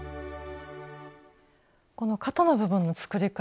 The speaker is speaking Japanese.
この肩の部分の作り方